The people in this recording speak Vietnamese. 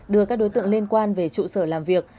đưa các đối tượng liên quan về trụ sở làm việc